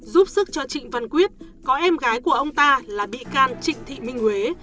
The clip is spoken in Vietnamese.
giúp sức cho trịnh văn quyết có em gái của ông ta là bị can trịnh thị minh huế